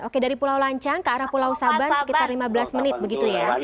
oke dari pulau lancang ke arah pulau sabar sekitar lima belas menit begitu ya